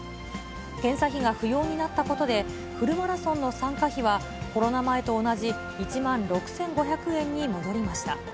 検査費が不要になったことで、フルマラソンの参加費は、コロナ前と同じ１万６５００円に戻りました。